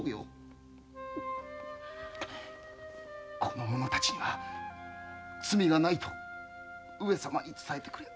この者たちには罪は無いと上様に伝えてくれ。